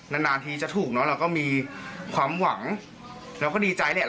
นานนานทีจะถูกเนอะเราก็มีความหวังเราก็ดีใจเนี่ย